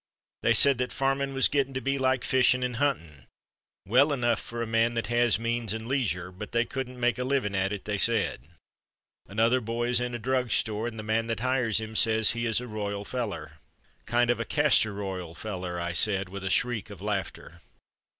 They said that farmin' was gittin' to be like fishin' and huntin', well enough for a man that has means and leisure, but they couldn't make a livin at it, they said. Another boy is in a drug store, and the man that hires him says he is a royal feller." "Kind of a castor royal feller," I said, with a shriek of laughter.